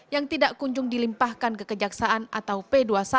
yang tidak kunjung dilimpahkan ke kejaksaan atau p dua puluh satu